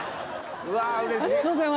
うわうれしい！